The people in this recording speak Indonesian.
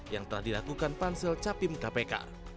yang telah dilakukan pansel capim kpk